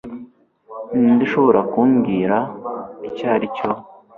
Ninde ushobora kumbwira icyo aricyo?